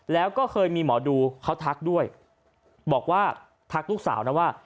แล้วก็เคยมีหมอดูเขาทักด้วยบอกว่าทักลูกสาวนะว่า